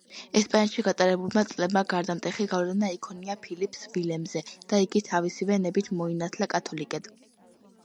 ესპანეთში გატარებულმა წლებმა გარდამტეხი გავლენა იქონია ფილიპს ვილემზე და იგი თავისივე ნებით მოინათლა კათოლიკედ.